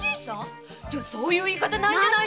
そういう言い方ないんじゃないの！